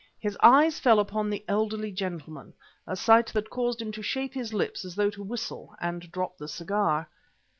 His eyes fell upon the elderly gentleman, a sight that caused him to shape his lips as though to whistle and drop the cigar.